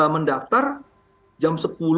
mendaftar jam sepuluh